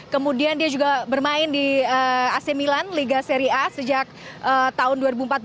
kemudian dia juga bermain di rc milan liga seri a sejak tahun dua ribu empat belas dua ribu lima belas